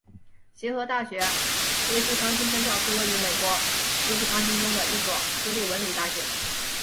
协和大学威斯康辛分校是位于美国威斯康辛州的一所私立文理大学。